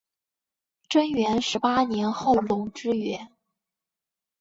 贞元十八年后垄之原。